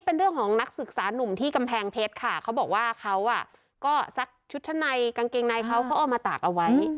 เป็นเรื่องของนักศึกษานุ่มที่กำแพงเพชรค่ะเขาบอกว่าเขาก็ซักชุดชั้นในกางเกงในเขาเขาเอามาตากเอาไว้